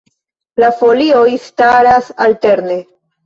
La folioj staras alterne.